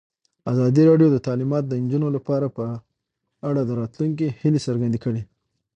ازادي راډیو د تعلیمات د نجونو لپاره په اړه د راتلونکي هیلې څرګندې کړې.